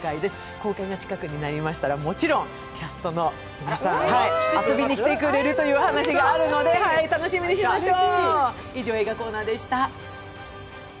公開が近くなりましたらもちろんキャストの皆さん、遊びに来てくれるという話があるので楽しみにしましょう。